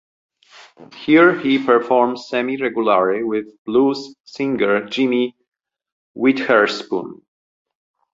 Here he performed semi-regularly with blues singer Jimmy Witherspoon.